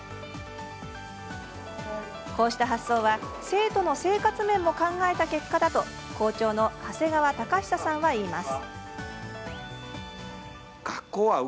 こうした発想は生徒の生活面も考えた結果だと校長の長谷川貴久さんは言います。